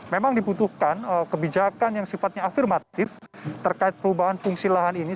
memang dibutuhkan kebijakan yang sifatnya afirmatif terkait perubahan fungsi lahan ini